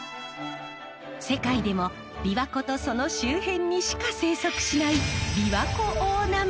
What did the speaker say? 世界でもびわ湖とその周辺にしか生息しないビワコオオナマズ。